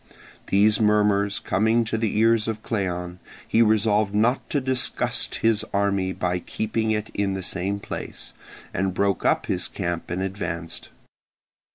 These murmurs coming to the ears of Cleon, he resolved not to disgust the army by keeping it in the same place, and broke up his camp and advanced.